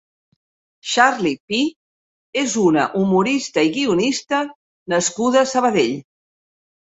Charlie Pee és una humorista i guionista nascuda a Sabadell.